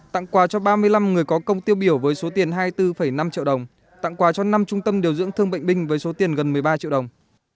tặng quà cho ba mươi năm người có công tiêu biểu với số tiền hai mươi bốn năm triệu đồng tặng quà cho năm trung tâm điều dưỡng thương bệnh binh với số tiền gần một mươi ba triệu đồng